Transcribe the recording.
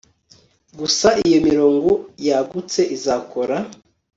gusa iyo mirongo yagutse-izakora